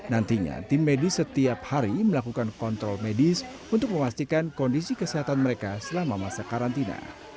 nantinya tim medis setiap hari melakukan kontrol medis untuk memastikan kondisi kesehatan mereka selama masa karantina